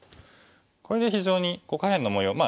これで非常に下辺の模様。